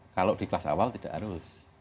kalau di kelas awal tidak harus